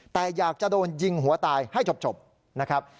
แต่อยากจะโดนยิงหัวตายให้จบนะครับ